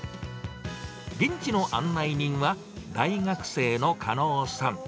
現地の案内人は、大学生の加納さん。